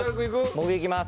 僕いきます。